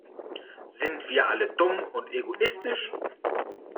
Sind wir alle dumm und egoistisch?